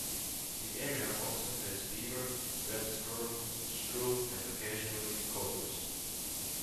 The area also has beaver, red squirrel, shrew and occasionally cougers.